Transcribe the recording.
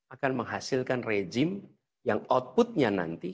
akan menghasilkan rejim yang outputnya nanti